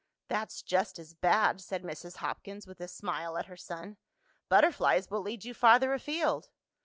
"That's just as bad," said Mrs. Hopkins, with a smile at her son. "Butterflies will lead you farther afield."